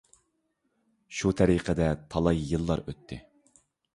شۇ تەرىقىدە تالاي يىللار ئۆتتى.